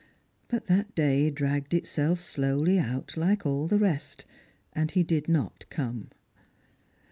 But that day dragged itself slowly out like all the rest, and he did not come.